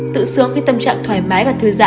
tự xương khi tâm trạng thoải mái và thư giãn